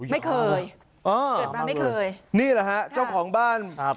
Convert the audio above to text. ไม่เคยเออเกิดมาไม่เคยนี่แหละฮะเจ้าของบ้านครับ